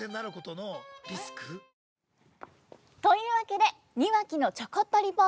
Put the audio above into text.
というわけで「庭木のちょこっとリポート」。